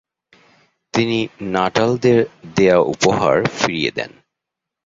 তিনি নাটালদের দেয়া উপহার ফিরিয়ে দেন।